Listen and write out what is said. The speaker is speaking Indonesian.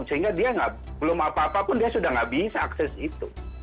sehingga dia belum apa apa pun dia sudah nggak bisa akses itu